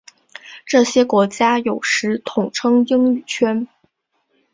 这些国家有时统称英语圈。